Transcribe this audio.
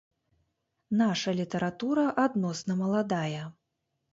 Наша літаратура адносна маладая.